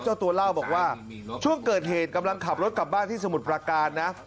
เจ้าตัวเล่าบอกว่าช่วงเกิดเหตุกำลังขับรถกลับบ้านที่สมุทรประการนะ